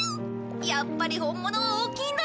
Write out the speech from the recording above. やっぱり本物は大きいんだな。